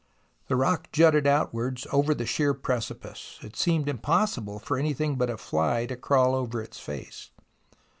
The rock jutted outwards over the sheer precipice ; it seemed impossible for anything but a fly to crawl over its face.